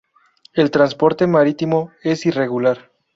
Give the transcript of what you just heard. El transporte marítimo es irregular.